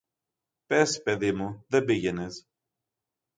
Πες, παιδί μου, δεν πήγαινες.